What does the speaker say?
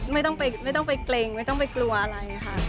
ไม่ต้องไปเกร็งไม่ต้องไปกลัวอะไรค่ะ